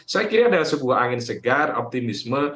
saya kira adalah sebuah angin segar optimisme